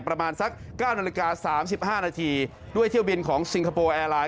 ประมาณสัก๙นาฬิกา๓๕นาทีด้วยเที่ยวบินของสิงคโปร์แอร์ไลน